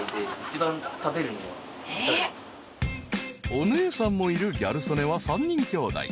［お姉さんもいるギャル曽根は３人きょうだい。